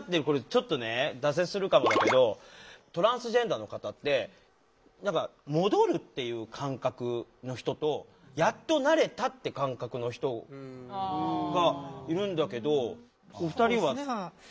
ちょっと脱線するかもだけどトランスジェンダーの方って何か戻るっていう感覚の人とやっとなれたって感覚の人がいるんだけどお二人は。